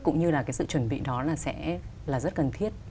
cũng như là sự chuẩn bị đó là rất cần thiết